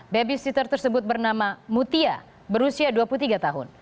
babysitter tersebut bernama mutia berusia dua puluh tiga tahun